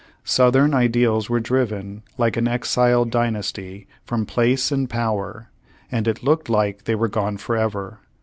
Southern ideals were driven like an exiled dynasty from place and power and it looked like they were gone forever.